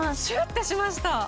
シュッてしました